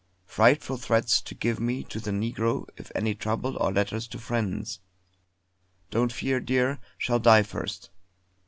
Frightful threats to give me to the negro if any trouble, or letters to friends. Don't fear, dear, shall die first.